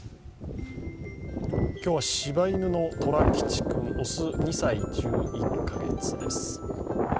今日はしば犬の寅吉君、雄、２歳１１カ月です。